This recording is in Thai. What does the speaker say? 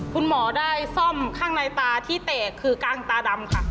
คุณหมอได้ซ่อมข้างในตาที่แตกคือกลางตาดำค่ะ